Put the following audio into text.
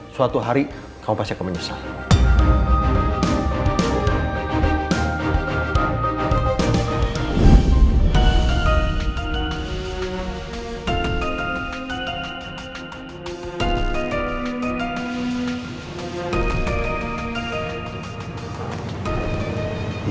suatu hari kamu pasti akan menyesal